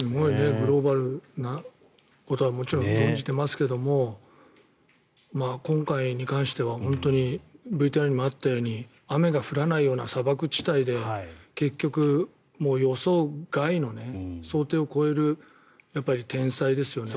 グローバルなことはもちろん存じてますが今回に関しては本当にＶＴＲにもあったように雨が降らないような砂漠地帯で結局、予想外の想定を超える天災ですよね。